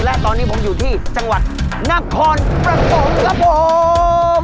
และตอนนี้ผมอยู่ที่จังหวัดนครปฐมครับผม